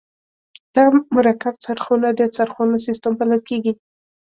دا مرکب څرخونه د څرخونو سیستم بلل کیږي.